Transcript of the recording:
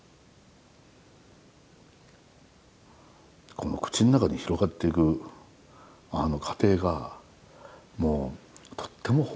この口の中に広がっていく過程がもうとっても豊じょうで。